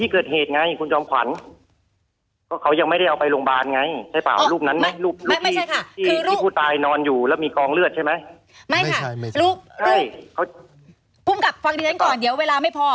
คุณกรรมฟังดินั่นก่อนเดี๋ยวเวลาไม่พอ